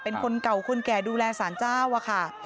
เป็นคนเก่าคนแก่ดูแลสารเจ้าอะค่ะ